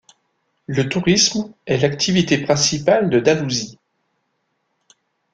Le tourisme est l'activité principale de Dalhousie.